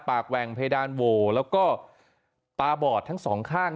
แหว่งเพดานโหวแล้วก็ตาบอดทั้งสองข้าง